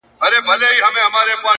• که مي هر څه په غپا یوسي خوبونه ,